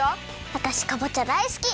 わたしかぼちゃだいすき！